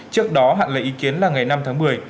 trước đó hạn lấy ý kiến là ngày năm tháng một mươi